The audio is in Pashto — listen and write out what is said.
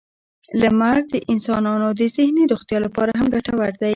• لمر د انسانانو د ذهني روغتیا لپاره هم ګټور دی.